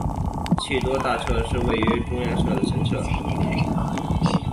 气多大社是位在日本石川县羽咋市的神社。